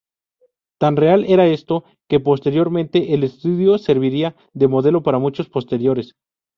Tan real era esto, que posteriormente el estudio serviría de modelo para muchos posteriores.